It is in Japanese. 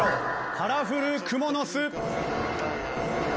カラフルクモの巣。